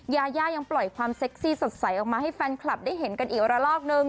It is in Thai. ยาย่ายังปล่อยความเซ็กซี่สดใสออกมาให้แฟนคลับได้เห็นกันอีกระลอกนึง